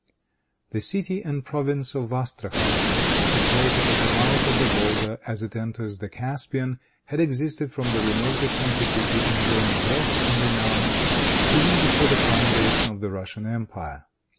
The city and province of Astrachan, situated at the mouth of the Volga as it enters the Caspian, had existed from the remotest antiquity, enjoying wealth and renown, even before the foundation of the Russian empire.